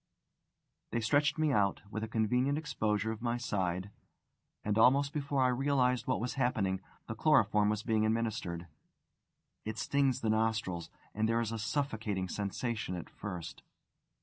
They stretched me out, with a convenient exposure of my side, and, almost before I realised what was happening, the chloroform was being administered. It stings the nostrils, and there is a suffocating sensation at first.